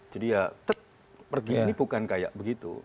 jadi ya pergi ini bukan kayak begitu